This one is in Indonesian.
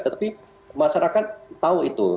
tetapi masyarakat tahu itu